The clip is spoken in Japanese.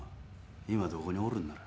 今どこにおるんなら？